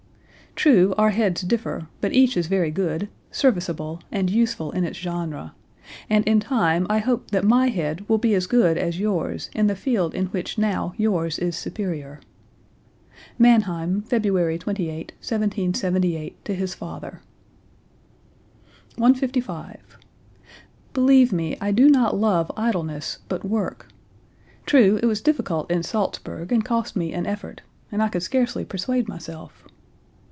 True our heads differ, but each is very good, serviceable, and useful in its genre, and in time I hope that my head will be as good as yours in the field in which now yours is superior." (Mannheim, February 28, 1778, to his father.) 155. "Believe me, I do not love idleness, but work. True it was difficult in Salzburg and cost me an effort and I could scarcely persuade myself.